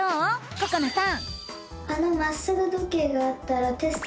ここなさん！